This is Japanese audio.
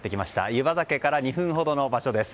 湯畑から２分ほどの場所です。